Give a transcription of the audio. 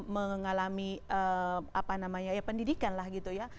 mengalami pendidikan lah gitu ya